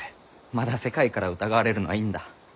まだ世界から疑われるのはいいんだ。